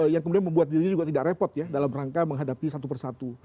yang kemudian membuat dirinya juga tidak repot ya dalam rangka menghadapi satu persatu